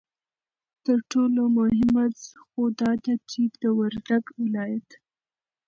ترټولو مهمه خو دا ده چې د وردگ ولايت